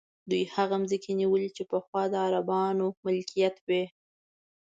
دوی هغه ځمکې نیولي چې پخوا د عربانو ملکیت وې.